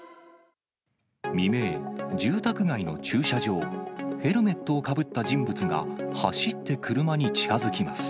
未明、住宅街の駐車場、ヘルメットをかぶった人物が、走って車に近づきます。